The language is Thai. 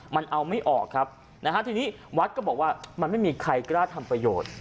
ไม่มีใครกล้าทำประโยชน์